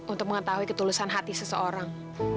untuk mengetahui ketulusan hati seseorang